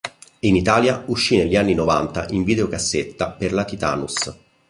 In Italia uscì negli anni novanta in videocassetta per la Titanus.